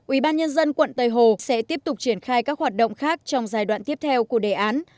ubnd quận tây hồ sẽ tiếp tục triển khai các hoạt động khác trong giai đoạn tiếp theo của đề án